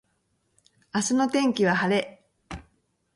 明日の天気は晴れ